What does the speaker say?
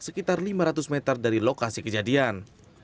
sekitar lima ratus meter dari lokasi kejadian